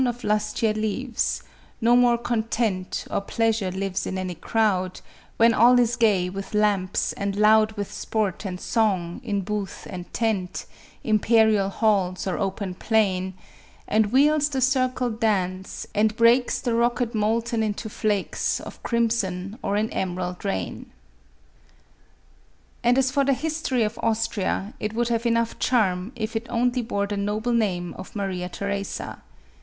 Of lustier leaves ; nor more content, Or pleasure, lives in auy crowd, When all is gay with lamps, and loud With sport and song, in booth and tent, Imperial halls, or open plain ; And wheels the circled dance, and breaks The rocket molten into flakes Of crimson or in emerald rain." And as for the history of Austria, it would have enough charm, if it only bore the noble name of Maria Theresa.